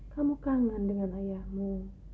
kamu kangen dengan ayahmu